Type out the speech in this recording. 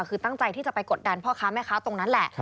คือตั้งใจที่จะไปกดดันพ่อค้าแม่ค้าตรงนั้นแหละ